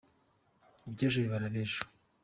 Iby’ejo bibara ab’ejo.